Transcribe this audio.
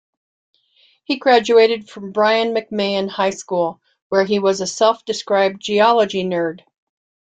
He graduated from Brien McMahon High School, where he was a self-described geology nerd.